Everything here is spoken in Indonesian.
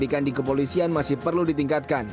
tidak ada yang dikepolisian masih perlu ditingkatkan